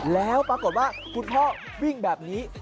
แล้วปรากฏว่าคุณพ่อวิ่งแบบนี้